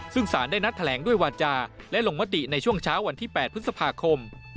ซึ่งสารได้นัดแถลงด้วยวาจาและลงมติในช่วงเช้าวันที่๘พฤษภาคม